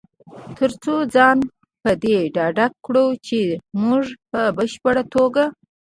تر څو ځان په دې ډاډه کړو چې مونږ په بشپړ توګه